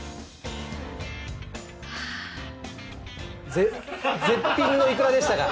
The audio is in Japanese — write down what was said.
絶品のいくらでしたか？